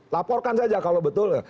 laporkan saja kalau betul